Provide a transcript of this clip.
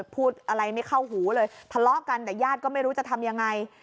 พูดอะไรไม่เข้าหูเลยทะเลาะกันแต่ญาติก็ไม่รู้จะทำยังไง